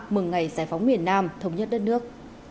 mừng ngày giải phóng miền nam thống nhất đất nước